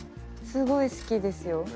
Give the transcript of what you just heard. すごい好きですよ。